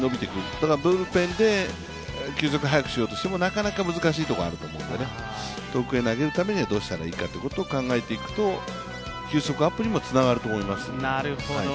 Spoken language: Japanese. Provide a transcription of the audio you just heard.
ただ、ブルペンで急速速くしようとしても、なかなか難しいところがあると思うので、遠くへ投げるためにはどうしたらいいかということを考えていくと球速アップにもつながると思います。